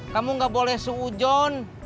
kamu nggak boleh seujon